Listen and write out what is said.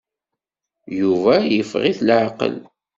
Yuba yeffeɣ-it laɛqel.